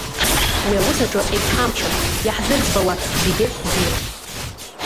Уи аус аҿы егьҳамчым, иаҳзырӡбауа зегьы бзиоуп.